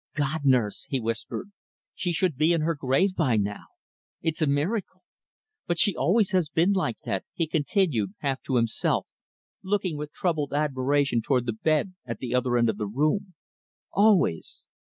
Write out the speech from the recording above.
"God! nurse," he whispered, "she should be in her grave by now! It's a miracle! But she has always been like that " he continued, half to himself, looking with troubled admiration toward the bed at the other end of the room "always."